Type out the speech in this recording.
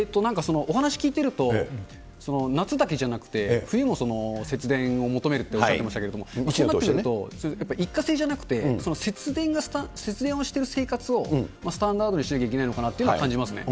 お話聞いてると、夏だけじゃなくて、冬も節電を求めるっておっしゃってましたけれども、そうなってくると、やっぱり一過性じゃなくて、節電をしている生活をスタンダードにしなきゃいけないなというのを感じますね。